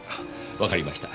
わかりました。